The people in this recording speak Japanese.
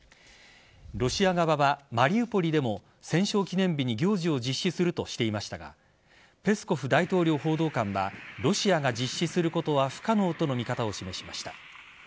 ロシア側はマリウポリでも戦勝記念日に行事を実施するとしていましたがペスコフ大統領報道官はロシアが実施することは不可能との見方を示しました。